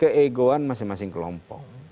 ke egoan masing masing kelompok